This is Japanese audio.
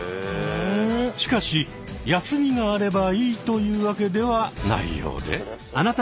しかし休みがあればいいというわけではないようで。